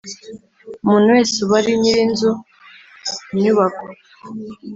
Umuntu wese uba ari nyir inzu inyubako